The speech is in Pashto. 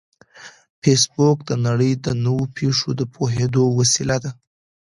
فېسبوک د نړۍ د نوو پېښو د پوهېدو وسیله ده